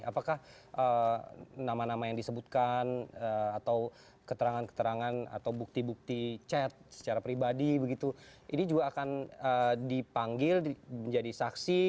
apakah nama nama yang disebutkan atau keterangan keterangan atau bukti bukti chat secara pribadi begitu ini juga akan dipanggil menjadi saksi